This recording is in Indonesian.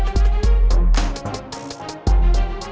selesai mulai ini